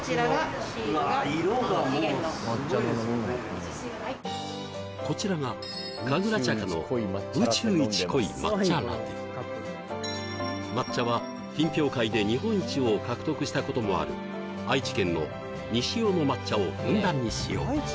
僕こちらがかぐらちゃかの抹茶は品評会で日本一を獲得したこともある愛知県の西尾の抹茶をふんだんに使用